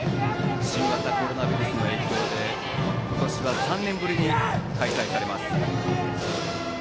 新型コロナウイルスの影響で今年は３年ぶりに開催されます。